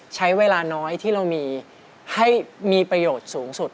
ใช้เวลาน้อยที่เรามีให้มีประโยชน์สูงสุด